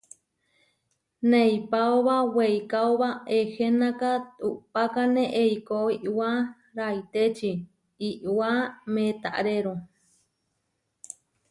Neipaóba weikáoba ehenáka, uʼpákane eikó iʼwá raitéči iʼwá meetaréro.